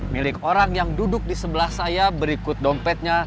milik orang yang duduk di sebelah saya berikut dompetnya